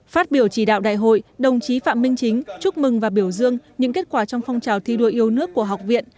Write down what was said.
phát biểu chỉ đạo đại hội đồng chí phạm minh chính chúc mừng và biểu dương những kết quả trong phong trào thi đua yêu nước của học viện